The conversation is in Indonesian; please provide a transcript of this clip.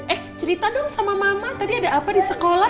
eh cerita dong sama mama tadi ada apa di sekolah